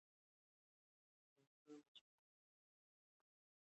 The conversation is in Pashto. د افغانستان بچیانو جګړه کړې ده.